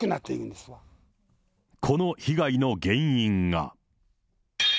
この被害の原因が。